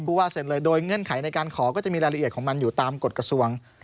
ว่าเสร็จเลยโดยเงื่อนไขในการขอก็จะมีรายละเอียดของมันอยู่ตามกฎกระทรวง